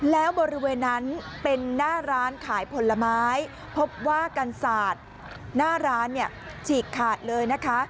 แล้วบริเวณนั้นเป็นหน้าร้านขายผลไม้พบว่ากันศาสตร์หน้าร้านเนี่ยฉีกขาดเลยนะคะ